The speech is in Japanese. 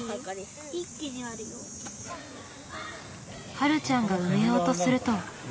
はるちゃんが埋めようとすると。